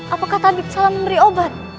apakah tabib salah memberi obat